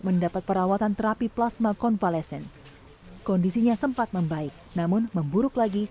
mendapat perawatan terapi plasma konvalesen kondisinya sempat membaik namun memburuk lagi